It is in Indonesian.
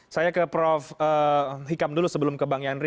saya ke prof hikam dulu sebelum ke bang yandri